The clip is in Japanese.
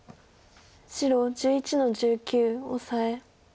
白１１の十九オサエ。